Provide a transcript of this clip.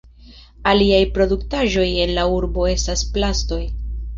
Aliaj produktaĵoj en la urbo estas plastoj.